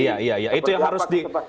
iya iya itu yang harus di